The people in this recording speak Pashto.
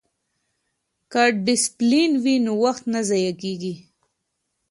که ډسپلین وي نو وخت نه ضایع کیږي.